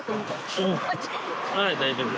はい大丈夫。